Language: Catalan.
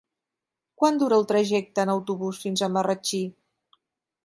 Quant dura el trajecte en autobús fins a Marratxí?